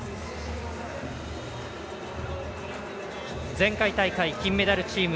前回大会金メダルチーム